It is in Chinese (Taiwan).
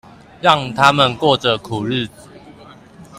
讓他們過著苦日子